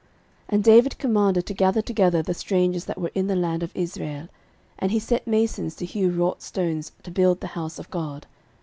13:022:002 And David commanded to gather together the strangers that were in the land of Israel; and he set masons to hew wrought stones to build the house of God.